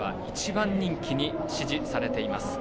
１番人気に支持されています。